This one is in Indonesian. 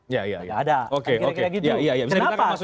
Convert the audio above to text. tidak ada kira kira begitu